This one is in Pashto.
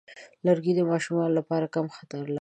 لرګی د ماشوم لپاره کم خطر لري.